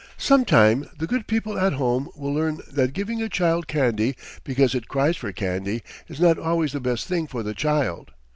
Some time the good people at home will learn that giving a child candy because it cries for candy is not always the best thing for the child.